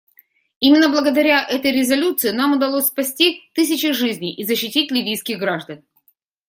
Именно благодаря этой резолюции нам удалось спасти тысячи жизней и защитить ливийских граждан.